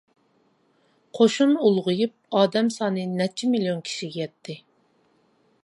قوشۇن ئۇلغىيىپ، ئادەم سانى نەچچە مىليون كىشىگە يەتتى.